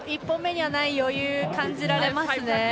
１本目にはない余裕が感じられますね。